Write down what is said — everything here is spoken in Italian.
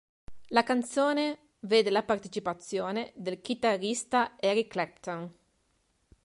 La canzone vede la partecipazione del chitarrista Eric Clapton.